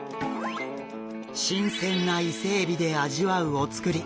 新鮮なイセエビで味わうお造り。